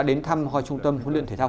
đến thăm hoa trung tâm huấn luyện thể thao